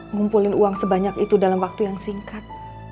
ngumpulin uang sebanyak itu dalam waktu yang singkat